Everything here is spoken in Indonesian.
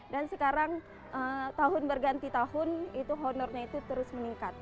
dan sekarang tahun berganti tahun honornya itu terus meningkat